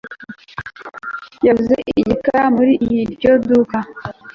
Yaguze iyi karamu muri iryo duka